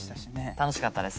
楽しかったです。